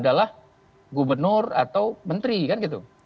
adalah gubernur atau menteri kan gitu